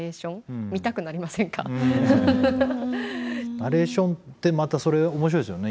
ナレーションってまたそれ面白いですよね